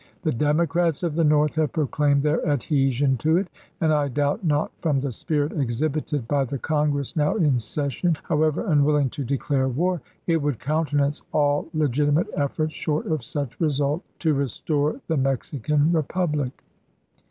The Democrats of the North have proclaimed their adhesion to it, and I doubt not from the spirit ex hibited by the Congress now in session, however unwilling to declare war, it would countenance all legitimate efforts short of such result to restore the Mexican Republic.